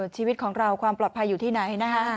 ชีวิตของเราความปลอดภัยอยู่ที่ไหนนะคะ